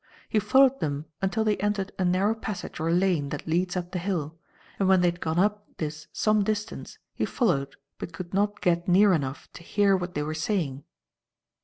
He followed them until they entered a narrow passage or lane that leads up the hill, and when they had gone up this some distance, he followed, but could not get near enough to hear what they were saying.